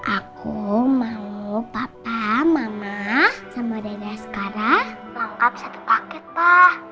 aku mau papa mama sama dada sekarang tangkap satu paket pa